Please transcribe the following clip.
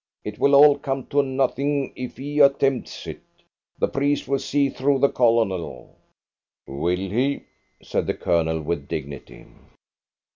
It will all come to nothing if he attempts it. The priest will see through the Colonel." "Will he?" said the Colonel with dignity.